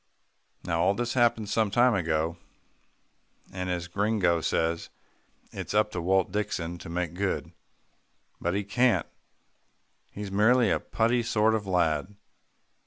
Now all this happened some time ago, and as Gringo says, "It's up to Walt Dixon to make good." But he can't. He's merely a putty sort of lad.